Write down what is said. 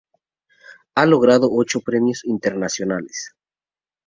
Ha logrado ocho premios internacionales.